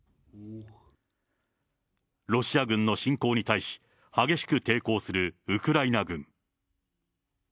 ロシア軍の侵攻に対し、激しく抵抗するウクライナ軍。